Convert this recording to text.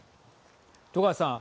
戸川さん。